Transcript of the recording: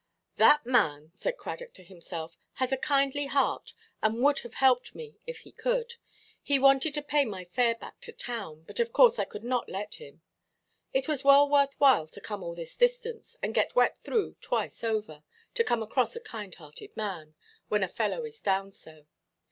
"That man," said Cradock to himself, "has a kindly heart, and would have helped me if he could. He wanted to pay my fare back to town, but of course I would not let him. It was well worth while to come all this distance, and get wet through twice over, to come across a kind–hearted man, when a fellow is down so.